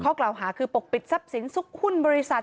กล่าวหาคือปกปิดทรัพย์สินซุกหุ้นบริษัท